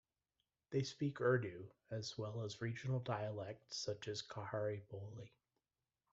They speak Urdu, as well as regional dialects such as Khari boli.